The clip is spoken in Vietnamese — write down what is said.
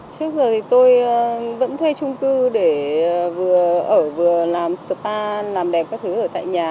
trước giờ thì tôi vẫn thuê trung cư để vừa ở vừa làm spa làm đẹp các thứ ở tại nhà